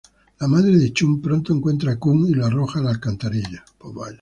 La madre de Chun pronto encuentra a Kun y lo arroja a la alcantarilla.